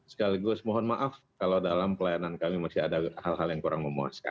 sekaligus mohon maaf kalau dalam pelayanan kami masih ada hal hal yang kurang memuaskan